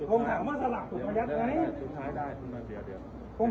ผมถามว่าสลากถูกพยัดไหม